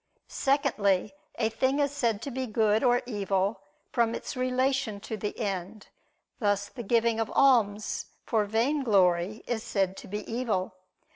Secondly, a thing is said to be good or evil, from its relation to the end: thus the giving of alms for vainglory is said to be evil.